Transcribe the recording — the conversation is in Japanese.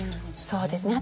そうですね。